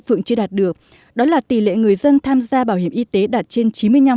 phượng chưa đạt được đó là tỷ lệ người dân tham gia bảo hiểm y tế đạt trên chín mươi năm